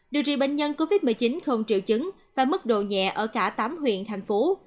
điều trị bệnh nhân covid một mươi chín không triệu chứng và mức độ nhẹ ở cả tám huyện thành phố